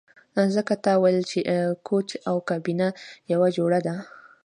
ځکه تا ویل چې کوچ او کابینه یوه جوړه ده